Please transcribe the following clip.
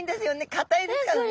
硬いですからね。